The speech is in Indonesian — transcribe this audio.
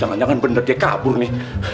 jangan jangan benar dia kabur nih